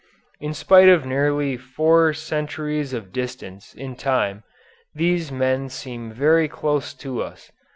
In spite of nearly four centuries of distance in time these men seem very close to us.